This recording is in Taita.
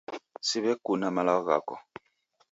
Siw'ekuna malagho ghako.